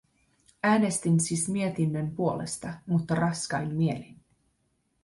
Äänestin siis mietinnön puolesta, mutta raskain mielin.